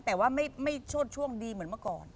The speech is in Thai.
แต่ว่าไม่โชดช่วงดีเหมือนเมื่อก่อน